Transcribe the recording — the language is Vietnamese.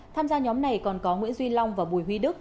tham gia nhóm này còn có nguyễn duy long và bùi huy đức